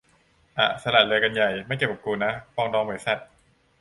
อ่ะ สละเรือกันใหญ่ ไม่เกี่ยวกับกูนะ ปรองดองไหมสัส